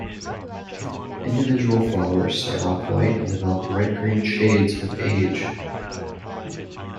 Individual flowers start off white and develop red-green shades with age.